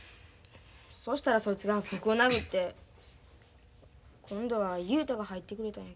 そしたらそいつが僕を殴って今度は雄太が入ってくれたんやけど。